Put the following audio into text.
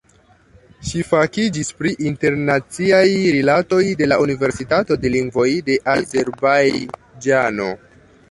Ŝi fakiĝis pri Internaciaj Rilatoj de la Universitato de Lingvoj de Azerbajĝano.